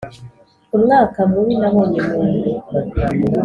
Umwaka mubi nabonye nuyu